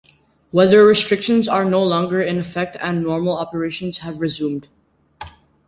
Weather restrictions are no longer in effect and normal operations have resumed.